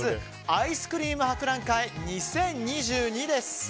アイスクリーム博覧会２０２２。